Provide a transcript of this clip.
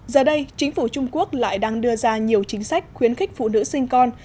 giờ đây chính phủ trung quốc lại đang đưa ra nhiều chính sách khuyến khích phụ nữ sinh con